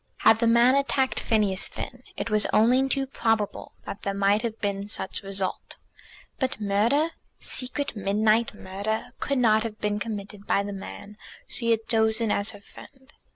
Had the man attacked Phineas Finn it was only too probable that there might have been such result. But murder, secret midnight murder, could not have been committed by the man she had chosen as her friend.